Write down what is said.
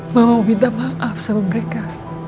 mau minta maaf sama mereka